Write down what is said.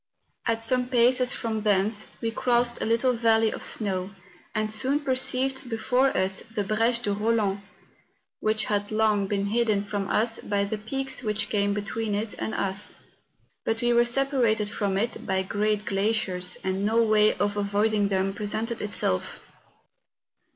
At some paces from thence we crossed a little valley of snow, and soon perceived before us the Breche de Eoland, which had long been hidden from us by the peaks which came between it and us. But we were separated from it by great glaciers, and no way of avoiding them presented itself.